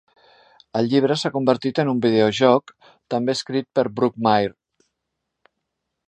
El llibre s'ha convertit en un videojoc, també escrit per Brookmyre.